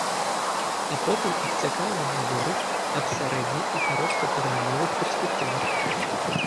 А потым абцякальна гаворыць аб сярэдне- і кароткатэрміновых перспектывах.